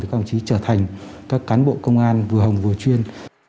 thì trở thành các cán bộ công an vừa hồng vừa chuyên